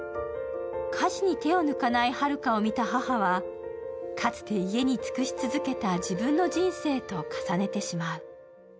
家事に手を抜かない榛花を見た母は、かつて家に尽くし続けた自分の人生と重ねてしまう。